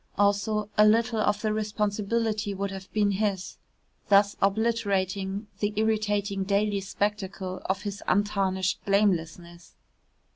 Also a little of the responsibility would have been his thus obliterating the irritating daily spectacle of his untarnished blamelessness.